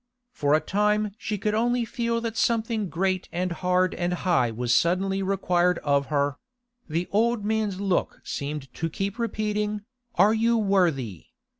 For a time she could only feel that something great and hard and high was suddenly required of her; the old man's look seemed to keep repeating, 'Are you worthy?